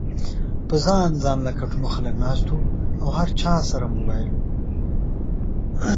پۀ ځان ځانله کټونو خلک ناست وو او هر چا سره موبايل ؤ